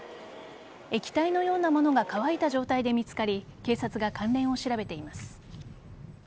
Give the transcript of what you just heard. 液体のような物が乾いた状態で見つかり警察が関連を調べています。